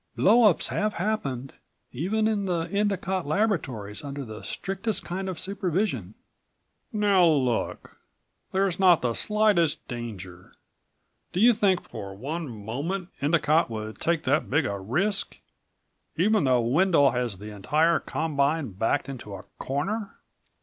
Blowups have happened ... even in the Endicott Laboratories under the strictest kind of supervision." "Now look. There's not the slightest danger. Do you think for one moment Endicott would take that big a risk even though Wendel has the entire combine backed into a corner?"